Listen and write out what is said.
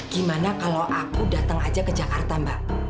gimana kalau aku datang aja ke jakarta mbak